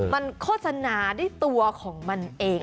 มันโฆษณาด้วยตัวของมันเอง